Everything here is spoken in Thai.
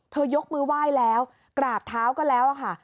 ยกมือไหว้แล้วกราบเท้าก็แล้วค่ะ